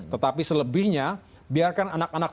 tetapi selebihnya biarkan anak anak